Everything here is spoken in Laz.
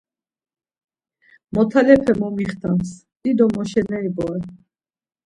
Motalepe momixtams dido moşeneri bore.